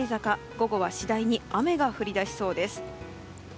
午後は次第に雨が降り出しそうです。